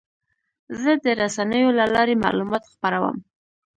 زه د رسنیو له لارې معلومات خپروم.